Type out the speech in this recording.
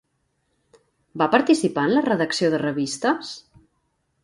Va participar en la redacció de revistes?